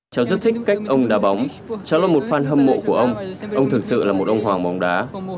cháu rất thích cách ông đá bóng cháu là một fan hâm mộ của ông ông thực sự là một ông hoàng bóng đá